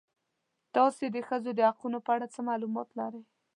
تاسې د ښځو د حقونو په اړه څه معلومات لرئ؟